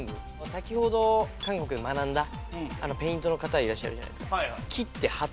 先ほど韓国で学んだペイントの方いらっしゃるじゃないですか。